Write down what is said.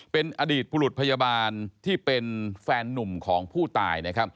เป็นอดีตบุรุษพยาบาลที่เป็นแฟนนุ่มของผู้ตาย